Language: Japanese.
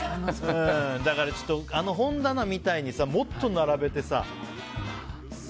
だから、あの本棚みたいにもっと並べてさ。